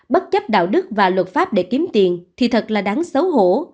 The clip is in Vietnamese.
bất chấp đạo đức và luật pháp để kiếm tiền thì thật là đáng xấu hổ